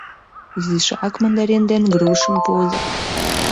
— Изишак мандарин ден грушым пуыза.